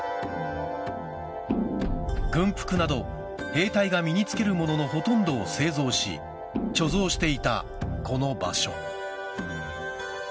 軍服など、兵隊が身に着けるもののほとんどを製造し貯蔵していたこの場所。